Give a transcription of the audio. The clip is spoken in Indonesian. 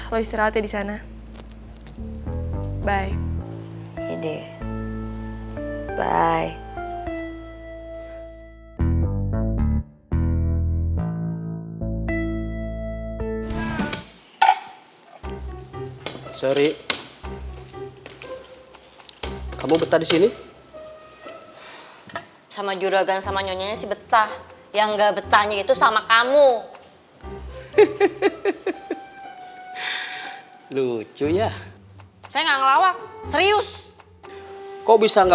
lo istirahat ya disana